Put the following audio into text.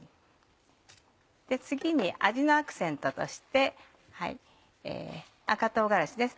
次に味のアクセントとして赤唐辛子です。